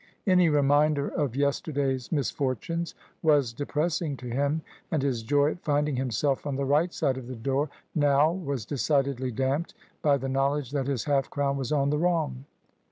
Any reminder of yesterday's misfortunes was depressing to him, and his joy at finding himself on the right side of the door now was decidedly damped by the knowledge that his half crown was on the wrong.